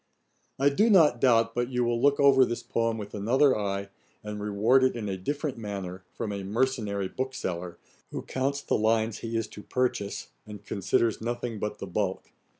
I do not doubt but you will look over this poem with another eye, and reward it in a different manner, from a mercenary bookseller, who counts the lines he is to purchase, and considers nothing but the bulk.